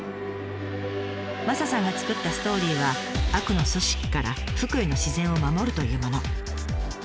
マサさんが作ったストーリーは悪の組織から福井の自然を守るというもの。